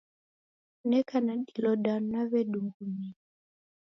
Neka na dilo danu nawedungumia